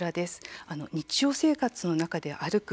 日常生活の中で歩く。